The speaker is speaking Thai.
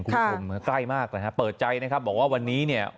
คุณผู้ชมใกล้มากนะฮะเปิดใจนะครับบอกว่าวันนี้เนี่ย